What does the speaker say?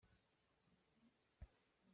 Ka fa cu a sualpalh len zong ah ka fa a si ko.